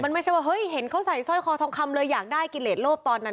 มันไม่ใช่ว่าเฮ้ยเห็นเขาใส่สร้อยคอทองคำเลยอยากได้กิเลสโลภตอนนั้น